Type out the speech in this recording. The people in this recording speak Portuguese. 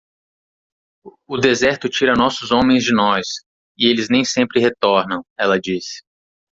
"O deserto tira nossos homens de nós? e eles nem sempre retornam?" ela disse.